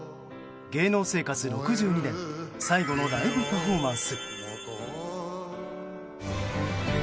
芸能生活６２年最後のライブパフォーマンス。